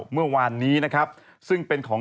เมื่อวานนี้นะครับซึ่งเป็นของ